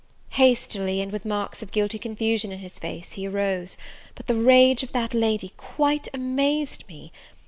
Hastily, and with marks of guilty confusion in his face, he arose; but the rage of that lady quite amazed me!